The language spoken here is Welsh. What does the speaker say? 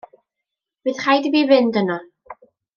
Bydd rhaid i fi fynd yno.